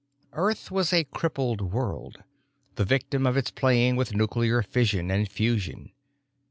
Earth was a crippled world, the victim of its playing with nuclear fission and fusion.